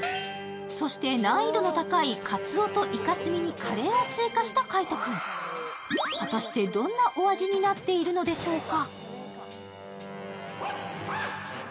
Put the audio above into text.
そして難易度の高いカツオとイカスミにカレーを追加した海音君果たして、どんなお味になっているのでしょうか？